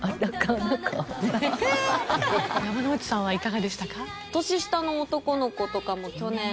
山之内さんはいかがでしたか？